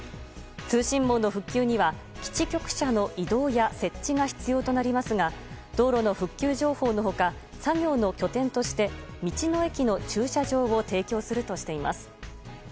通信網の復旧には基地局車の移動や設置が必要となりますが道路の復旧情報の他作業の拠点として道の駅の駐車場を提供するとしています。